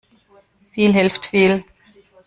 Viel hilft viel.